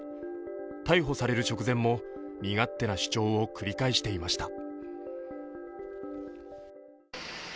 逮捕される直前も身勝手な主張を繰り返していました。